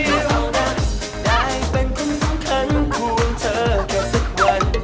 เอานะได้เป็นคุ้มขันภูมิเธอแค่สักวัน